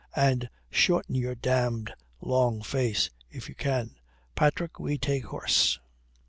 And shorten your damned long face, if you can. Patrick, we take horse."